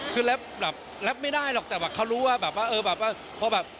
คือแบบรับไม่ได้หรอกแต่แบบเขารู้ว่าแบบว่าเออแบบว่าพอแบบ